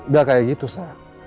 gak kayak gitu sa